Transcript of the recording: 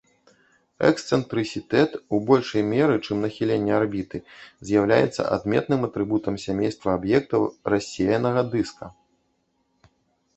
Эксцэнтрысітэт у большай меры, чым нахіленне арбіты, з'яўляецца адметным атрыбутам сямейства аб'ектаў рассеянага дыска.